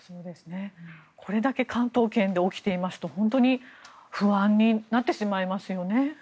これだけ関東圏で起きていますと本当に不安になってしまいますよね。